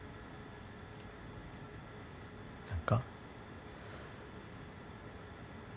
何か。